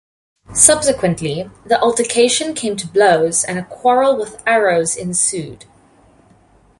Subsequently, the altercation came to blows and a quarrel with arrows ensued.